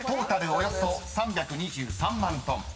およそ３２３万ｔ］